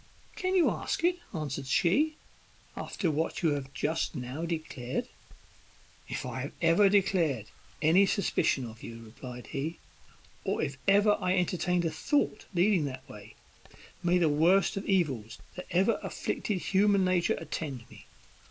"Can you ask it," answered she, "after what you have just now declared?" "If I have declared any suspicion of you," replied he, "or if ever I entertained a thought leading that way, may the worst of evils that ever afflicted human nature attend me!